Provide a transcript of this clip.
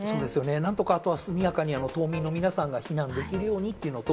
なんとか、あとは速やかに島民の皆さんが避難できるようにというのと、